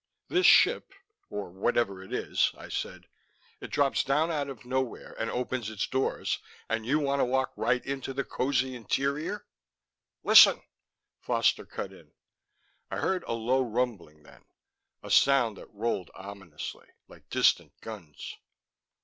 "This ship or whatever it is," I said; "it drops down out of nowhere and opens its doors. And you want to walk right into the cosy interior." "Listen!" Foster cut in. I heard a low rumbling then, a sound that rolled ominously, like distant guns.